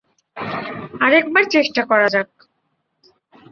আরেকবার চেষ্টা করা যাক।